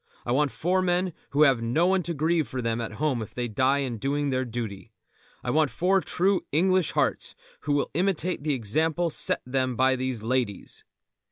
I want four men who have no one to grieve for them at home if they die in doing their duty. I want four true English hearts who will imitate the example set them by these ladies."